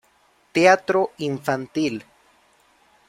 Teatro infantil